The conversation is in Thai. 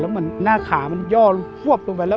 แล้วมันหน้าขามันย่อหวบลงไปแล้ว